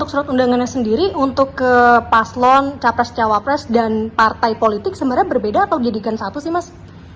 surat undangannya sendiri untuk ke paslon capres cawapres dan partai politik sebenarnya berbeda atau dijadikan satu sih mas